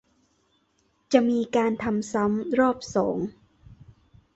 จะมีการทำซ้ำรอบสอง